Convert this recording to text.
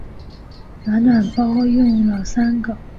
暖暖包都用了三个